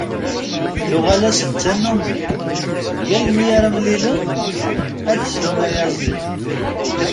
Tuɣal-asen d tannumi: yal mi ara mlilen ad d-zlun ayaziḍ.